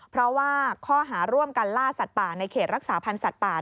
เพราะว่าข้อหาร่วมกันล่าสัตว์ป่าในเขตรักษาพันธ์สัตว์ป่า